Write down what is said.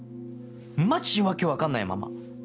マジ訳分かんないまま。